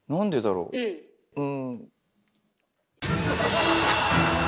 うん。